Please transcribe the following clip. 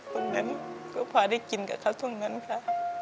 คนนั้นก็พอได้กินกับเค้าตรงนั้นค่ะ